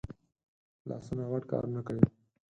لاسونه غټ کارونه کوي